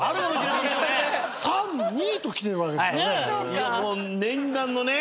いやもう念願のね。